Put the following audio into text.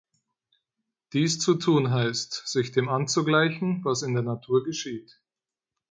Dies zu tun heißt, sich dem anzugleichen, was in der Natur geschieht.